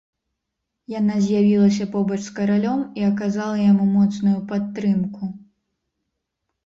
Яна з'явілася побач з каралём і аказала яму моцную падтрымку.